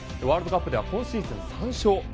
ワールドカップでは今シーズン３勝。